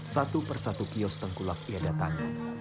satu persatu kios tengkulak ia datangi